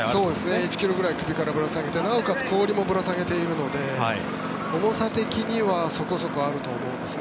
１ｋｇぐらい首からぶら下げてなおかつ氷もぶら下げているので重さ的にはそこそこあると思うんですよね。